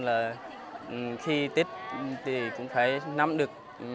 là khi tết thì cũng phải nắm được